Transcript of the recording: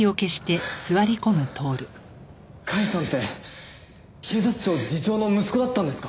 甲斐さんって警察庁次長の息子だったんですか？